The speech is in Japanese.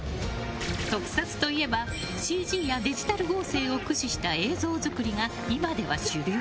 特撮といえばＣＧやデジタル合成を駆使した映像作りが今では主流。